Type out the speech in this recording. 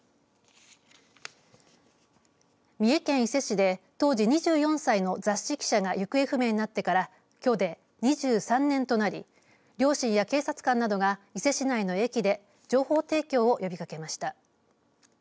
三重県伊勢市で当時２４歳の雑誌記者が行方不明になってからきょうで２３年となり両親や警察官などが伊勢市内の駅で情報提供を呼びかけました。